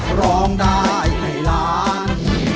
ร้องได้ให้ล้าน